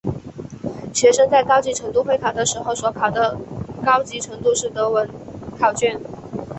学生在高级程度会考的时候所考的是高级程度的德文考卷。